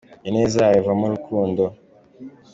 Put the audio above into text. Ineza yawe ivamo urukundo